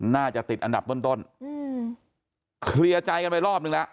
น่าจะติดอันดับต้นต้นเคลียร์ใจกันไปรอบนึงแล้ว